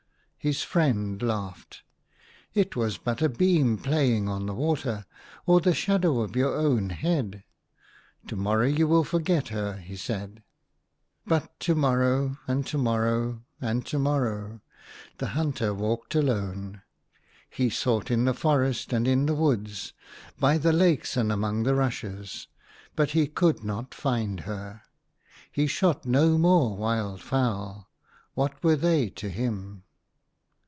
His friend laughed. "It was but a beam playing on the water, or the shadow of your own head. To morrow you will forget her," he said. But to morrow, and to morrow, and to morrow the hunter walked alone. He THE HUNTER. 27 sought in the forest and in the woods, by the lakes and among the rushes, but he could not find her. He shot no more wild fowl ; what were they to him